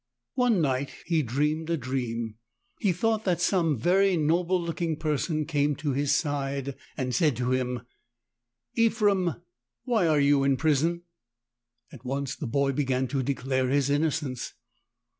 One night he dreamed a dream. He thought that some very noble looking person came to his side and said to him : "Ephrem, why are you in prison?" At once the boy began to declare his innocence.